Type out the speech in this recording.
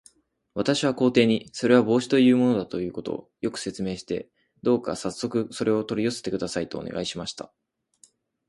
私は皇帝に、それは帽子というものだということを、よく説明して、どうかさっそくそれを取り寄せてください、とお願いしました。